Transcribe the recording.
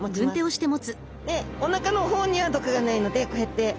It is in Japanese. でおなかの方には毒がないのでこうやって。